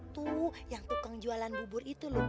tuh yang tukang jualan bubur itu loh